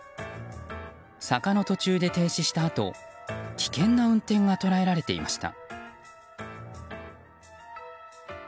坂の途中で停止したあと危険な運転が捉えられていました。